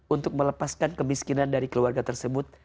untuk melepaskan kemiskinan dari keluarga tersebut